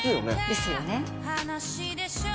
ですよね。ね？